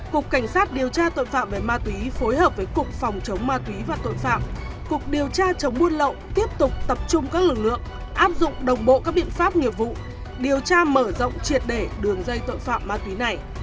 cục cảnh sát điều tra tội phạm về ma túy phối hợp với cục phòng chống ma túy và tội phạm cục điều tra chống buôn lậu tiếp tục tập trung các lực lượng áp dụng đồng bộ các biện pháp nghiệp vụ điều tra mở rộng triệt để đường dây tội phạm ma túy này